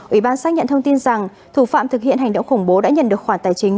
ủy ban xác nhận thông tin rằng thủ phạm thực hiện hành động khủng bố đã nhận được khoản tài chính